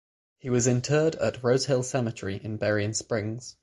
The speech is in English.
He was interred at Rose Hill Cemetery in Berrien Springs.